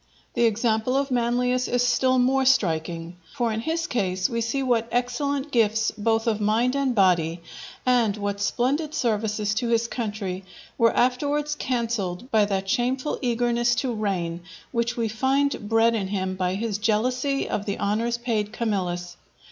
The example of Manlius is still more striking. For in his case we see what excellent gifts both of mind and body, and what splendid services to his country were afterwards cancelled by that shameful eagerness to reign which we find bred in him by his jealousy of the honours paid Camillus.